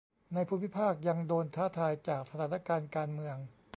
ในภูมิภาคยังโดนท้าทายจากสถานการณ์การเมือง